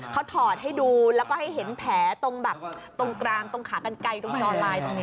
เขาถอดให้ดูแล้วก็ให้เห็นแผลตรงแบบตรงกลางตรงขากันไกลตรงจอไลน์ตรงนี้